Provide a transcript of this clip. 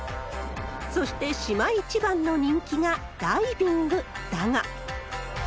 そして、島一番の人気がダイビングだが。